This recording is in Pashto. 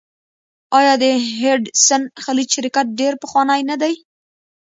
آیا د هډسن خلیج شرکت ډیر پخوانی نه دی؟